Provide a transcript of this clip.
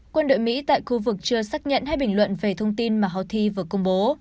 quân đội mỹ tại khu vực chưa xác nhận hay bình luận về thông tin mà houthi vừa công bố